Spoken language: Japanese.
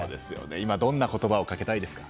今どんな言葉をかけたいですか？